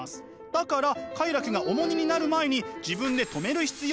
だから快楽が重荷になる前に自分で止める必要があるのです。